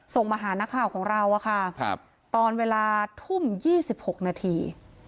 ส่งมาหานักข่าวของเราอะค่ะตอนเวลาทุ่ม๒๖นาที